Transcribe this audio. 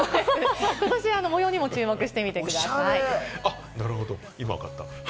ことしは模様にも注目してみてください。